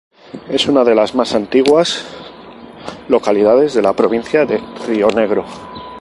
Es una de las más antiguas localidades de la Provincia de Río Negro.